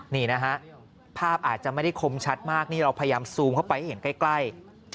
นี่นะฮะภาพอาจจะไม่ได้คมชัดมากนี่เราพยายามซูมเข้าไปให้เห็นใกล้